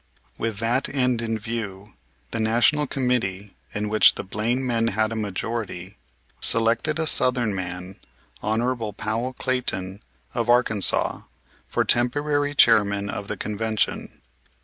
With that end in view the National Committee, in which the Blaine men had a majority, selected a Southern man, Hon. Powell Clayton, of Arkansas, for temporary chairman of the Convention.